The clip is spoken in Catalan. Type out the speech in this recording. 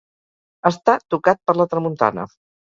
Estar tocat per la tramuntana.